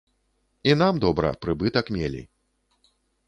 І нам добра, прыбытак мелі.